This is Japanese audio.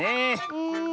うん。